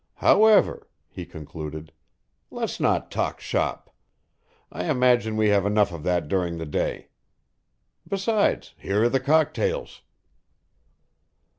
However," he concluded, "let's not talk shop. I imagine we have enough of that during the day. Besides, here are the cocktails."